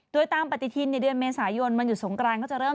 โดยตามปฏิทินในเดือนเมษายนวันหยุดสงกรานก็จะเริ่ม